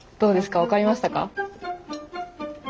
分かりましたか？